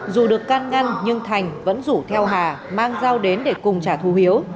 dù được can ngăn nhưng thành vẫn rủ theo hà mang dao đến để cùng trả thù hiếu